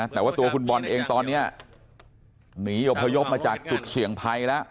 แต่ว่าตัวคุณบอลเองตอนนี้หนีอพยพมาจากจุดเสี่ยงภัยแล้ว